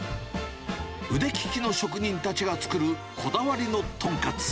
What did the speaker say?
腕利きの職人たちが作るこだわりのとんかつ。